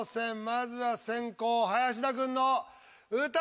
まずは先攻・林田君の「歌」です。